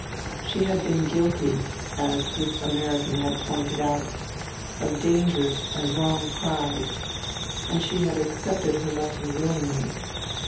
She had been guilty, as this American had pointed out, of dangerous and wrong pride, and she accepted her lesson willingly.